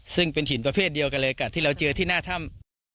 ซึ่งเป็นหินประเภทเดียวกันเลยกับที่เราเจอที่หน้าถ้ำ